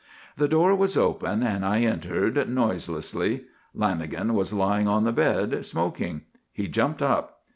The door was open and I entered, noiselessly. Lanagan was lying on the bed, smoking. He jumped up.